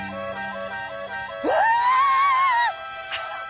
「うわ！」。